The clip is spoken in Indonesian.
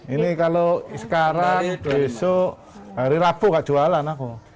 ini kalau sekarang besok hari rabu gak jualan aku